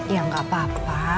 ya gak apa apa